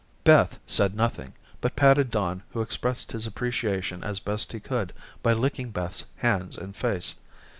Beth said nothing, but patted Don who expressed his appreciation as best he could by licking Beth's hands and face.